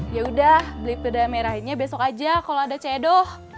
yaudah beli peda merahnya besok aja kalau ada ceedo